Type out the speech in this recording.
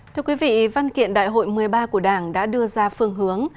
thưa quý vị văn kiện đại hội một mươi ba của đảng đã đưa ra phương hướng